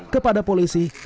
tantang dulu tantang